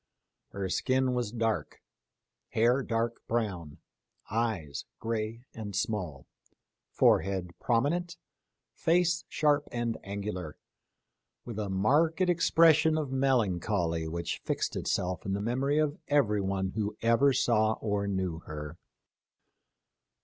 Her skin was dark; hair dark brown; eyes gray and small ; forehead prominent ; face sharp and angular, with a marked expression of melancholy which fixed itself in the memory of everyone who ever saw or knew her.